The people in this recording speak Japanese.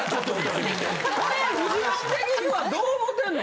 これフジモン的にはどう思てんの。